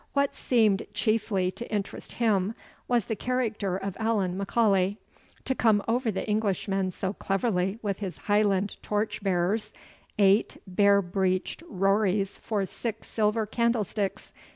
What seemed chiefly to interest him, was the character of Allan M'Aulay. "To come over the Englishmen so cleverly with his Highland torch bearers eight bare breeched Rories for six silver candlesticks!